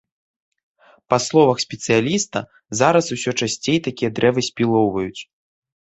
Па словах спецыяліста, зараз усё часцей такія дрэвы спілоўваюць.